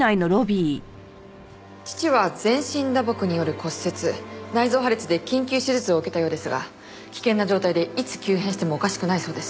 父は全身打撲による骨折内臓破裂で緊急手術を受けたようですが危険な状態でいつ急変してもおかしくないそうです。